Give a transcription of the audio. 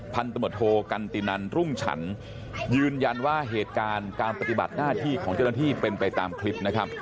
พันธมตโทกันตินันรุ่งฉันยืนยันว่าเหตุการณ์การปฏิบัติหน้าที่ของเจ้าหน้าที่เป็นไปตามคลิปนะครับ